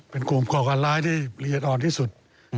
เป็นกลุ่มก่อการร้ายที่ละเอียดอ่อนที่สุด